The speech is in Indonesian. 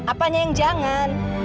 apanya yang jangan